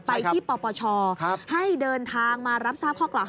ไปที่ปปชให้เดินทางมารับทราบข้อกล่าวหา